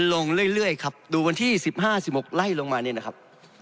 ลงเรื่อยครับดูวันที่๑๕๑๖ไล่ลงมาเนี่ยนะครับ